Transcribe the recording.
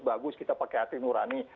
bagus kita pakai hati nurani